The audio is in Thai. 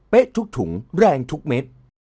ทุกถุงแรงทุกเม็ด